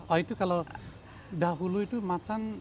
oh itu kalau dahulu itu macan